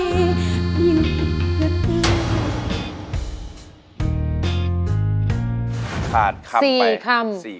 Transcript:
และท่านอายมายาใจ